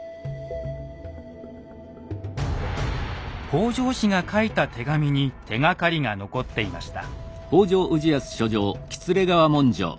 北条氏が書いた手紙に手がかりが残っていました。